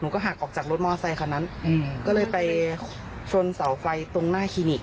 ก็หักออกจากรถมอเซคันนั้นอืมก็เลยไปชนเสาไฟตรงหน้าคลินิก